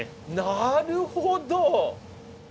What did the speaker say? なるほど。